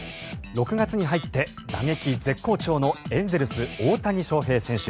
６月に入って打撃絶好調のエンゼルス、大谷翔平選手。